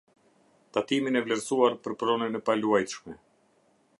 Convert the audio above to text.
Tatimin e vlerësuar për pronën e paluajtshme.